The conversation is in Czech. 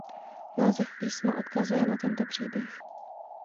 Název písma odkazuje na tento příběh.